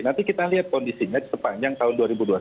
nanti kita lihat kondisinya sepanjang tahun dua ribu dua puluh satu